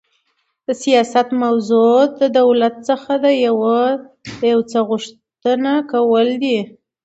د سیاست موضوع د دولت څخه د یو څه غوښتنه کول دي.